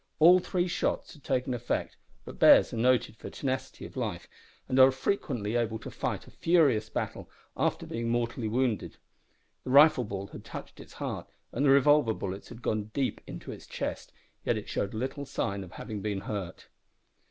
All three shots had taken effect but bears are noted for tenacity of life, and are frequently able to fight a furious battle after being mortally wounded. The rifle ball had touched its heart, and the revolver bullets had gone deep into its chest, yet it showed little sign of having been hurt.